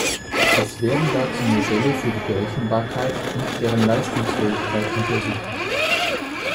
Es werden dazu Modelle für die Berechenbarkeit und deren Leistungsfähigkeit untersucht.